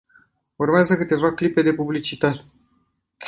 Urmează câteva clipe de publicitate.